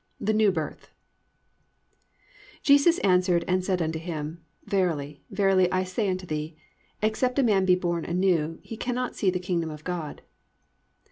X THE NEW BIRTH "Jesus answered and said unto him, verily, verily, I say unto thee, except a man be born anew, he cannot see the kingdom of God.